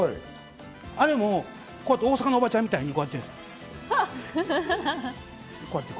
あれも大阪のおばちゃんみたいにこうやって。